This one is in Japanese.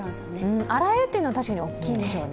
洗えるというのは確かに大きいんでしょうね。